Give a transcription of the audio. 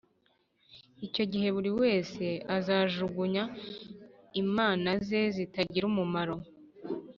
icyo gihe buri wese azajugunya imana ze zitagira umumaro